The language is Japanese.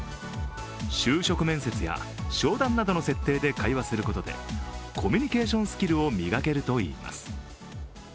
就職面接や商談などの設定で会話することでコミュニケーションスキルを磨けるといいます。